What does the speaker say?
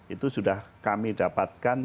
itu sudah kami dapatkan